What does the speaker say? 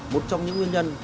một trong những nguyên nhân